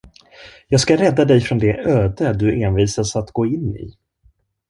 Jag ska rädda dig från det öde du envisas att gå in i.